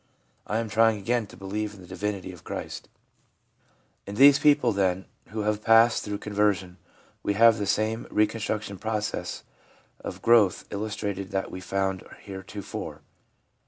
I am trying again to believe in the divinity of Christ/ In these people, then, who have passed through con version, we have the same reconstruction process of growth illustrated that we have found heretofore.